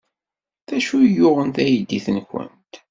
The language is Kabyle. D acu ay yuɣen taydit-nwent?